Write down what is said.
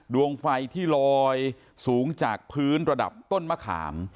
ดวงไฟที่ลอยสูงจากพื้นระดับต้นมะขาม